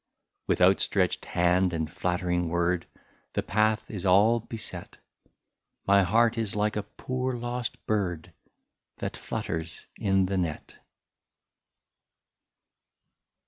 ^' With outstretched hand and flattering word The path is all beset ; My heart is like a poor lost bird, That flutters in the net.'